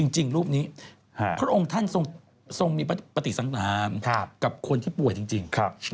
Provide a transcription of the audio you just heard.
จริงรูปนี้พระองค์ท่านทรงมีปฏิสังนามกับคนที่ป่วยจริง